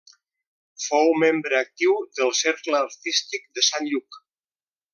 Fou membre actiu del Cercle Artístic de Sant Lluc.